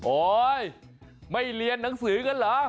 โอ๊ยไม่เรียนหนังสือกันเหรอ